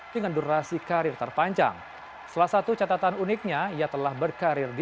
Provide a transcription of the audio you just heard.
dengan durasi karir terpanjang salah satu catatan uniknya ia telah berkarir di